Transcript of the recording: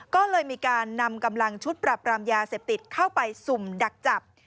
ก็เลยมีการนำกำลังชุดปรับรามยาเสพติดเข้าไปสุ่มดักจับ